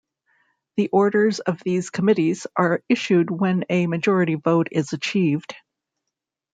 The orders of these committees are issued when a majority vote is achieved.